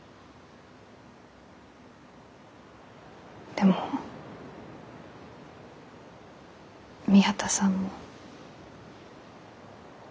でも宮田さんも。